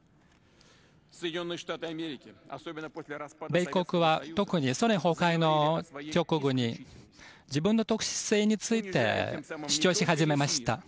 米国は特にソ連崩壊の直後に自分の特殊性について主張し始めました。